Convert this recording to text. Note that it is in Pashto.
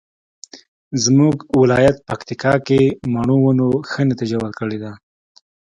زمونږ ولایت پکتیکا کې مڼو ونو ښه نتیجه ورکړې ده